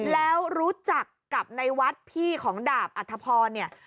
แล้วรู้จักกับในวัดพี่ของดาบอัธพรเนี่ย